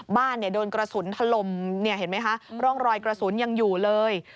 โดนกระสุนถล่มเนี่ยเห็นไหมคะร่องรอยกระสุนยังอยู่เลย